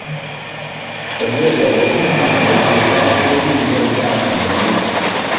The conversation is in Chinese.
本列表为中华民国驻巴拉圭历任大使名录。